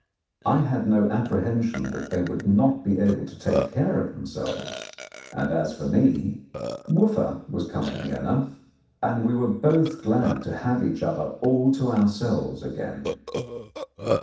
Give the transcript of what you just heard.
I had no apprehension that they would not be able to take care of themselves; and as for me, Wooffa was company enough, and we were both glad to have each other all to ourselves again.